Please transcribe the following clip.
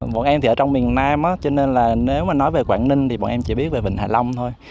bọn em thì ở trong miền nam cho nên là nếu mà nói về quảng ninh thì bọn em chỉ biết về vịnh hạ long thôi